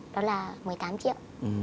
đó là một mươi tám triệu